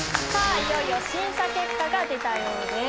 いよいよ審査結果が出たようです。